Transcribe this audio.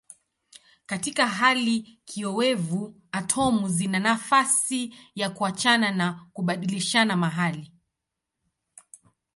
Katika hali kiowevu atomu zina nafasi ya kuachana na kubadilishana mahali.